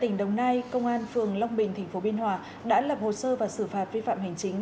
tỉnh đồng nai công an phường long bình tp biên hòa đã lập hồ sơ và xử phạt vi phạm hành chính